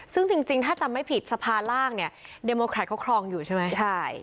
ซึ่งจริงถ้าจำไม่ผิดสภาล่างเนี่ยเดโมแครตเขาครองอยู่ใช่ไหมใช่